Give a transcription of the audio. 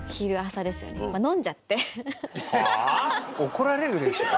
怒られるでしょ。